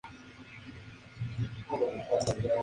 Los frutos son de color verde a marrón, con forma de tapa.